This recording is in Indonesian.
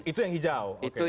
itu yang hijau